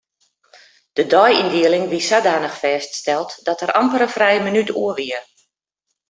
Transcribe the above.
De deiyndieling wie sadanich fêststeld dat der amper in frije minút oer wie.